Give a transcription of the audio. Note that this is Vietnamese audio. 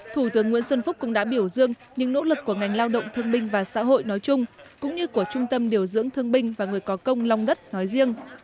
thủ tướng nguyễn xuân phúc cũng đã biểu dương những nỗ lực của ngành lao động thương binh và xã hội nói chung cũng như của trung tâm điều dưỡng thương binh và người có công long đất nói riêng